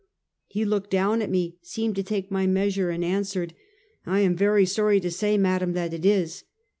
" He looked down at me, seemed to take my measure, and answered: "I am very sorry to say, madam, that it is."